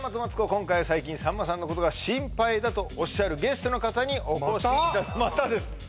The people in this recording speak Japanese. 今回は最近さんまさんのことが心配だとおっしゃるゲストの方にお越しまた？